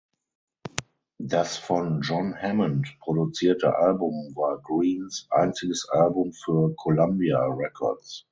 Das von John Hammond produzierte Album war Greenes einziges Album für Columbia Records.